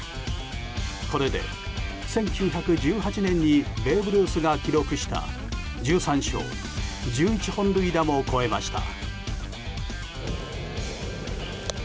これで、１９１８年にベーブ・ルースが記録した１３勝１１本塁打も超えました。